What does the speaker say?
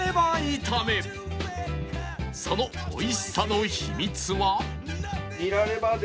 その美味しさの秘密は